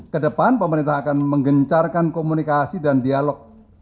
kedepan pemerintah akan menggencarkan komunikasi dan dialog